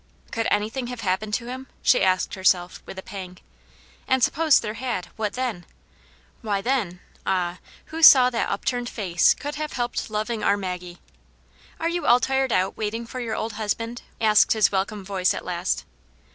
Could anything have happened to him ?. she asked herself, with a pang. And suppose there had — ^what then ? Why, then — ah, who that saw that upturned face could have helped loving our Maggie ! "Are you all tired out waiting for your old hus band ?" asked his welcome voice at last.